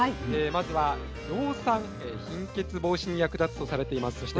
まずは葉酸貧血防止に役立つとされています。